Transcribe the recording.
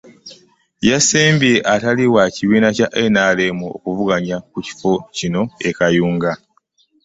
Yasembye atali wa kibiina kya NRM okuvuganya ku kifo kino e Kayunga.